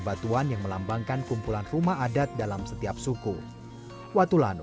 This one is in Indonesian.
karena tenaga rohi normal disels